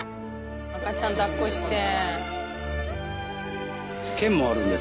赤ちゃんだっこして。